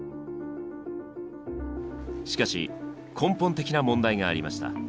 しかし根本的な問題がありました。